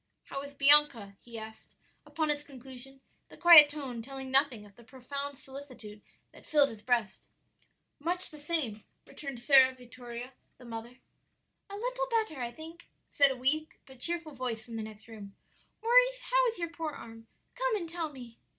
"'How is Bianca?' he asked, upon its conclusion, the quiet tone telling nothing of the profound solicitude that filled his breast. "'Much the same,' returned Sara Vittoria, the mother. "'A little better, I think,' said a weak but cheerful voice from the next room. 'Maurice, how is your poor arm? come and tell me.'